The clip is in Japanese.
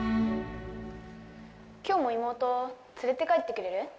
今日も妹連れて帰ってくれる？